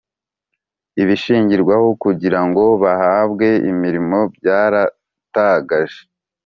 Ibishingirwaho kugira ngo bahabwe imirimo byaratagaje